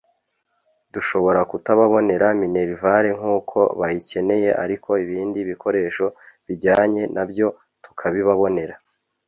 dushobora kutababonera Minerval nk’uko bayikeneye ariko ibindi bikoresho bijyanye nabyo tukabibabonera